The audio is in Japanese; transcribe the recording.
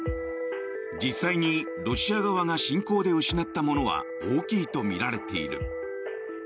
実際にロシア側が侵攻で失ったものは大きいとみられている。